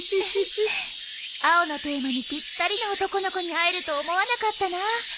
青のテーマにぴったりな男の子に会えると思わなかったな。